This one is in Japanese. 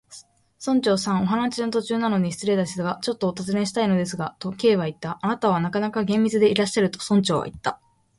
「村長さん、お話の途中なのに失礼ですが、ちょっとおたずねしたいのですが」と、Ｋ はいった。「あなたはなかなか厳密でいらっしゃる」と、村長はいった。